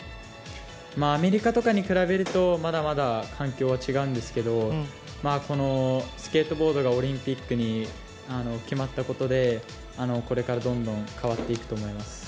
アメリカとかに比べるとまだまだ環境は違うんですけどスケートボードがオリンピックに決まったことでこれからどんどん変わっていくと思います。